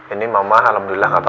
ini mama alhamdulillah gak apa apa